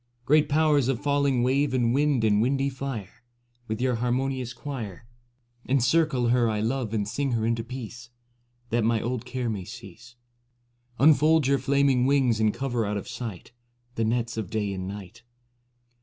Great Powers of falling wave and wind and windy fire, With your harmonious choir 57 Encircle her I love and sing her into peace. That my old care may cease; Unfold your flaming wings and cover out of sight The nets of day and night.